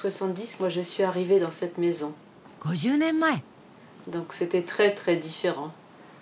５０年前。